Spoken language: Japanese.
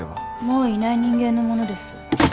もういない人間の物です。